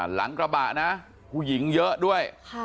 หลังกระบะนะผู้หญิงเยอะด้วย